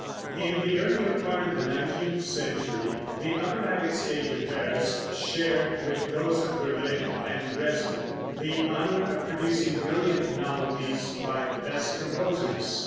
In the earlier part of the nineteenth century the operatic stage of Paris shared with those of Berlin and Dresden the honor of producing brilliant novelties by the best composers.